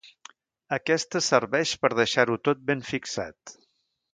Aquesta serveix per deixar-ho tot ben fixat.